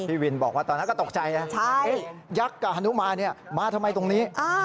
พี่วินบอกว่าตอนนั้นก็ตกใจนะยักษ์กาฮนุมานมามาทำไมตรงนี้